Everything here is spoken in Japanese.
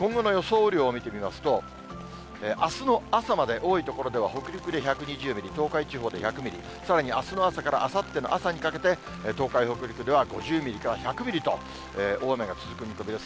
雨量を見てみますと、あすの朝まで、多い所では北陸で１２０ミリ、東海地方で１００ミリ、さらにあすの朝からあさっての朝にかけて、東海、北陸では５０ミリから１００ミリと、大雨が続く見込みです。